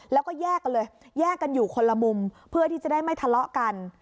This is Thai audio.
แล้วก็แยกกันเลยแยกกันอยู่คนละมุมเพื่อที่จะได้ไม่ทะเลาะกัน